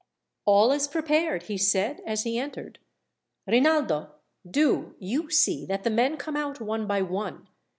"All is prepared," he said as he entered. "Rinaldo, do you see that the men come out one by one.